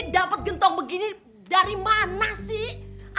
dapat gentong begini dari mana sih